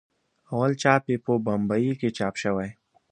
اول چاپ یې په بمبئي کې چاپ شوی.